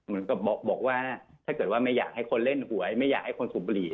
เหมือนกับบอกว่าถ้าเกิดว่าไม่อยากให้คนเล่นหวยไม่อยากให้คนสูบบุหรี่